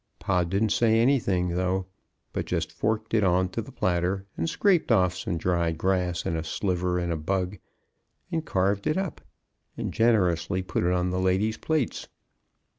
Pod didn't say anything, though, but just forked it on to the platter and scraped off some dry grass and a sliver and a bug, and carved it up and generously put it on the ladies' plates.